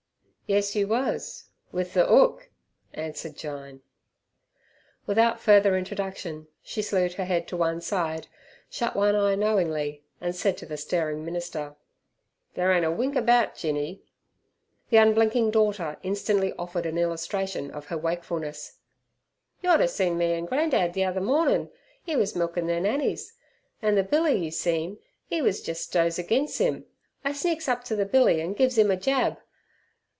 "Yes, you wus with ther 'ook," answered Jyne. Without further introduction she slewed her head to one side, shut one eye knowingly, and said to the staring minister, "Ther ain't a wink about Jinny." The unblinking daughter instantly offered an illustration of her wakefulness. "Yer orter seen me an' gran'dad th' ether mornin'. 'E wus milkin' ther nannies, an' ther billy you seen 'e wus jes dose agen 'im. I sneaks up to ther billy an' gives 'im er jab.